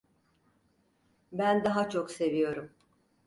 Ben daha çok seviyorum.